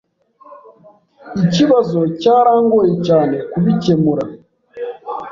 Ikibazo cyarangoye cyane kubikemura.